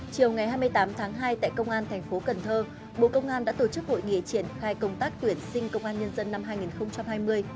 chiều ngày hai mươi tám tháng hai tại công an thành phố cần thơ bộ công an đã tổ chức hội nghị triển khai công tác tuyển sinh công an nhân dân năm hai nghìn hai mươi